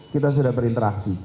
kita sudah berinteraksi